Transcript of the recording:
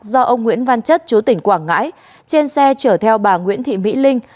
do ông nguyễn văn chất chú tỉnh quảng ngãi trên xe chở theo bà nguyễn thị mỹ linh